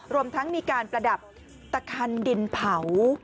รวมทั้งมีการประดับตะคันดินเผา